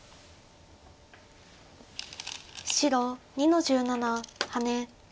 白２の十七ハネ。